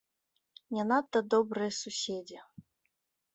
Не надта добрыя суседзі.